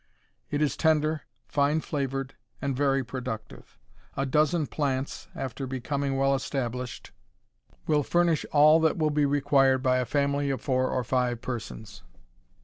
It is tender, fine flavored, and very productive. A dozen plants, after becoming well established, will furnish all that will be required by a family of four or five persons.